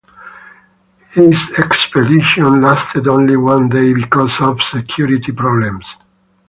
His expedition lasted only one day because of security problems.